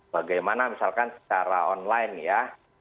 bagaimana misalkan secara online ya